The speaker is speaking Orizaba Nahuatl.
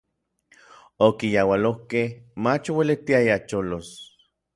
Okiyaualokej, mach ouelitiaya cholos.